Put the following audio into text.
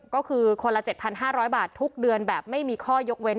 ก็คือคนละเจ็ดพันห้าร้อยบาททุกเดือนแบบไม่มีข้อยกเว้น